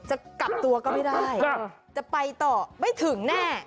จะกลับตัวก็ไม่ได้จะไปต่อไม่ถึงแน่